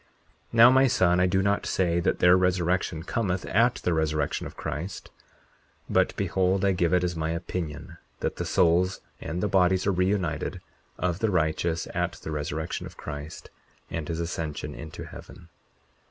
40:20 Now, my son, I do not say that their resurrection cometh at the resurrection of Christ; but behold, I give it as my opinion, that the souls and the bodies are reunited, of the righteous, at the resurrection of Christ, and his ascension into heaven.